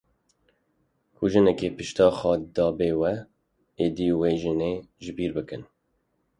Ku jinekê pişta xwe dabe we, êdî wê jinê ji bîr bikin.